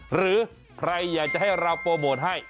หรือใครอยากจะให้เราโปรโมทให้